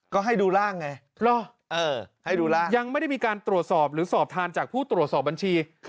ก็ให้ดูร่างไงให้ดูร่างยังไม่ได้มีการตรวจสอบหรือสอบทานจากผู้ตรวจสอบบัญชี